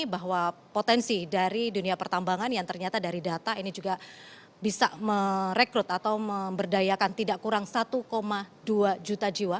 bahwa potensi dari dunia pertambangan yang ternyata dari data ini juga bisa merekrut atau memberdayakan tidak kurang satu dua juta jiwa